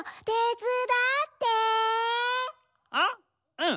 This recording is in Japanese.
うん？